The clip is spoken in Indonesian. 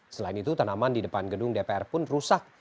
selain itu tanaman di depan gedung dpr pun rusak